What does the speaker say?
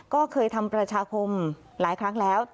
ก็เคยทำประชาคมหลายครั้งแล้ว